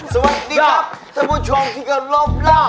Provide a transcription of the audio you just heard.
สวัสดีครับทุกผู้ชมที่กันรอบรัก